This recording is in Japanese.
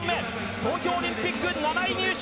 東京オリンピック、７位入賞！